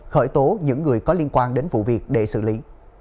khởi tố những người có liên quan đến vụ việc để xử lý